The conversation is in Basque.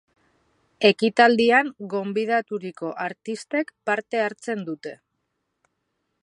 Ekitaldian gonbidaturiko artistek parte hartzen dute.